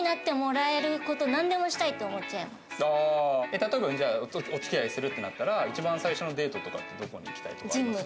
例えばじゃあお付き合いするってなったら一番最初のデートとかってどこに行きたいとかあります？